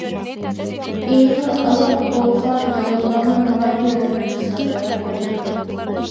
ئېغىر ئاياق بولغان ئاياللارمۇ ناھايىتى ھۆرمەتكە سازاۋەر بولىدۇ.